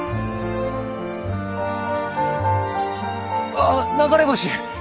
あっ流れ星！